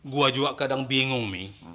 gua juga kadang bingung mi